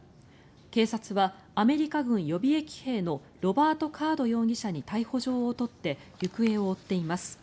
警察はアメリカ軍予備役兵のロバート・カード容疑者に逮捕状を取って行方を追っています。